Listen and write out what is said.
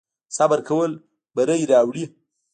صبر کول بری راوړي